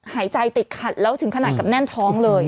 หายใจติดขัดแล้วถึงขนาดกับแน่นท้องเลย